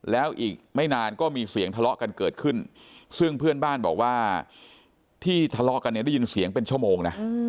แล้วอีกไม่นานก็มีเสียงทะเลาะกันเกิดขึ้นซึ่งเพื่อนบ้านบอกว่าที่ทะเลาะกันเนี่ยได้ยินเสียงเป็นชั่วโมงนะ